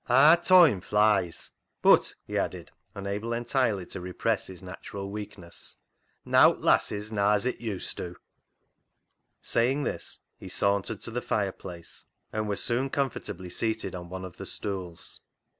" Haa toime flies !"" But," he added, unable entirely to repress his natural weakness, " nowt lasses [lasts] naa as it used do." Saying this he sauntered to the fireplace, and was soon comfortably seated on one of the stools.